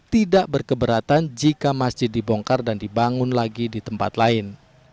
tidak berkeberatan jika masjid dibongkar dan dibangun lagi di tempat lain